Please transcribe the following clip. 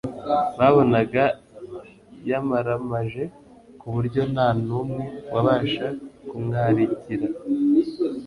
babonaga yamaramaje ku buryo nta n'umwe wabasha kumwarigira.